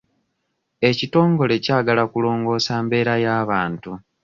Ekitongole kyagala kulongoosa mbeera ya bantu.